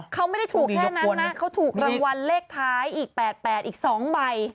เขาไม่ได้ถูกแค่นั้นนะเขาถูกรางวัลเลขท้ายอีก๘๘อีก๒ใบ